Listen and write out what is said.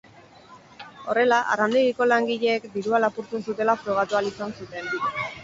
Horrela, arrandegiko langileek dirua lapurtzen zutela frogatu ahal izan zuten.